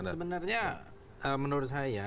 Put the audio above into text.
sebenarnya menurut saya